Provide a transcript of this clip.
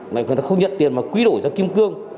mà người ta không nhận tiền mà quy đổi ra kim cương